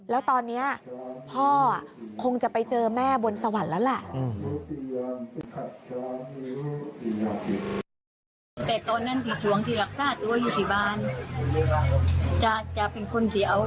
แล้วตอนนี้พ่อคงจะไปเจอแม่บนสวรรค์แล้วแหละ